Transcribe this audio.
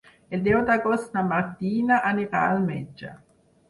El deu d'agost na Martina anirà al metge.